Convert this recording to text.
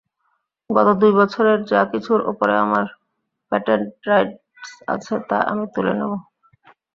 গত দুই বছরের যা কিছুর ওপরে আমার প্যাটেন্ট রাইটস আছে তা আমি তুলে নেবো।